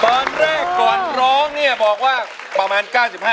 ตอนแรกก่อนร้องเนี่ยบอกว่าประมาณ๙๕